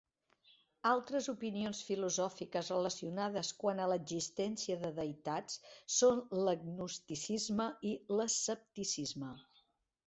Altres opinions filosòfiques relacionades quant a l'existència de deïtats són l'agnosticisme i l'escepticisme.